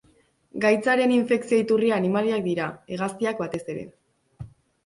Gaitzaren infekzio iturria animaliak dira, hegaztiak batez ere.